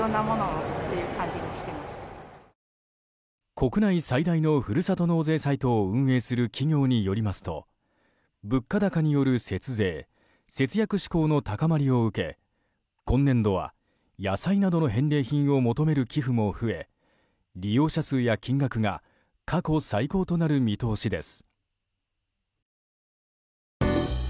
国内最大のふるさと納税サイトを運営する企業によりますと物価高による節税・節約志向の高まりを受け今年度は野菜などの返礼品を求める寄付も増え利用者数や金額が過去最高となる見通しです。